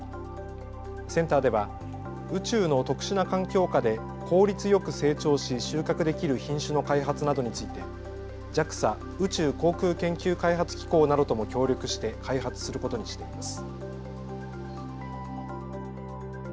センターでは宇宙の特殊な環境下で効率よく成長し収穫できる品種の開発などについてＪＡＸＡ・宇宙航空研究開発機構などとも協力して開発することにしています。